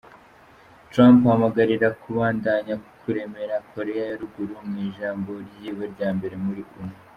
Trump ahamagarira kubandanya kuremera Koreya ya ruguru mw'ijambo ryiwe rya mbere muri Onu.